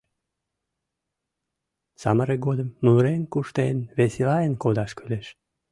Самырык годым мурен-куштен веселаен кодаш кӱлеш...